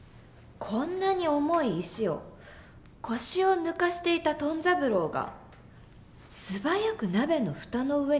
こんなに重い石を腰を抜かしていたトン三郎が素早く鍋の蓋の上に載せる。